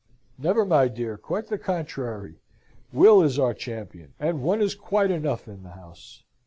"Never, my dear; quite the contrary! Will is our champion, and one is quite enough in the house.